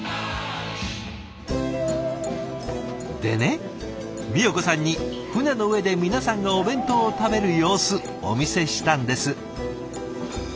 でねみよ子さんに船の上で皆さんのお弁当を食べる様子お見せしたんです。